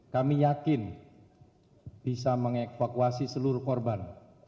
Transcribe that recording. kami yakin bisa mengevakuasi seluruh korban